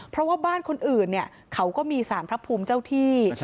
เพราะว่าบ้านคนอื่นเขาก็มีสารพระภูมิเจ้าที่